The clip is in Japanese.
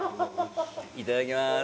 いただきます